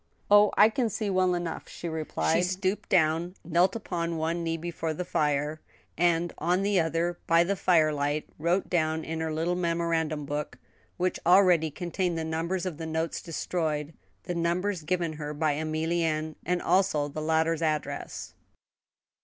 " Oh, I can see well enough," she replied. She stooped down, knelt upon one knee before the fire, and, on the other, by the fire light, wrote down in her little memorandum book, which already contained the numbers of the notes destroyed, the numbers given her by Emilienne, and also the latter's address.